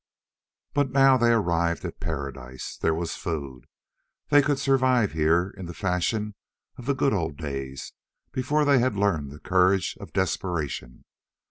But now they arrived at paradise. There was food. They could survive here in the fashion of the good old days before they learned the courage of desperation.